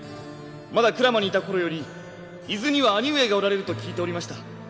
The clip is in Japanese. まだ鞍馬にいた頃より伊豆には兄上がおられると聞いておりました。